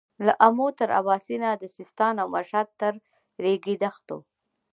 له امو تر اباسينه د سيستان او مشهد تر رېګي دښتو.